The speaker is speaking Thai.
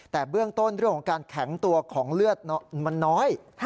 แต่เบื้องต้นเรื่องของการแข็งตัวของเลือดมันน้อย